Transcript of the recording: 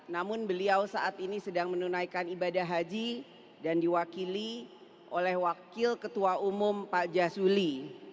namun beliau saat ini sedang menunaikan ibadah haji dan diwakili oleh wakil ketua umum pak jasuli